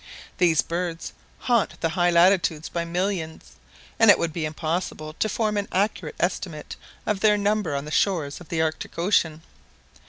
These birds haunt the high latitudes by millions, and it would be impossible to form an accurate estimate of their number on the shores of the Arctic Ocean.